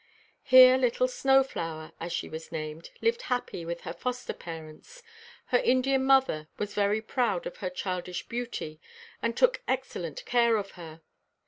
Here little "Snow flower," as she was named, lived happy with her foster parents. Her Indian mother was very proud of her childish beauty, and took excellent care of her.